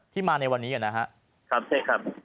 ที่มาในวันนี้อย่างนั้นฮะครับใช่ครับ